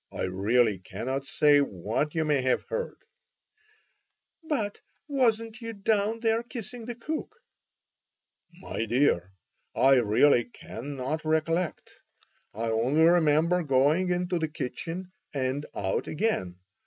I really cannot say what you may have heard." "But wasn't you down there kissing the cook?" "My dear, I really cannot recollect. I only remember going into the kitchen and out again.